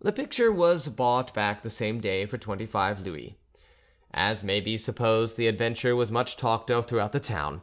The picture was bought back the same day for twenty five Louis. As may be supposed, the adventure was much talked of throughout the town.